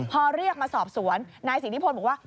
พอเรียกมาสอบสวนนายศรีนิพนธ์บอกว่า